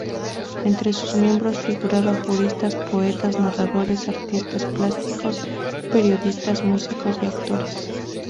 Entre sus miembros figuran juristas, poetas, narradores, artistas plásticos, periodistas, músicos y actores.